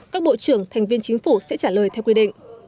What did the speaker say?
các bộ trưởng thành viên chính phủ sẽ trả lời theo quy định